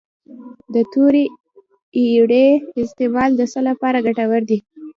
د تورې اریړې استعمال د څه لپاره ګټور دی؟